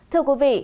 thưa quý vị